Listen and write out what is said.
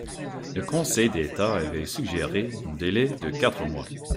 Le Conseil d’État avait suggéré un délai de quatre mois.